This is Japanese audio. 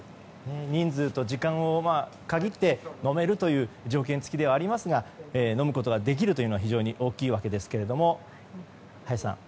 人数と時間を限って飲めるという条件付きではありますが飲むことができるということは非常に大きいわけですが林さん。